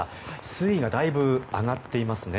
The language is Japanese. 水位がだいぶ上がっていますね。